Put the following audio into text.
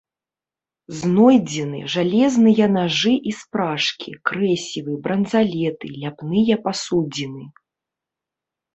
Знойдзены жалезныя нажы і спражкі, крэсівы, бранзалеты, ляпныя пасудзіны.